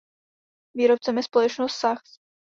Výrobcem je společnost Sachs.